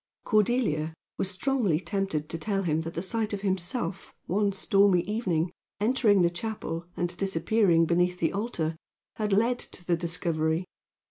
Cordelia was strongly tempted to tell him that the sight of himself, one stormy evening, entering the chapel, and disappearing beneath the altar, had led to the discovery.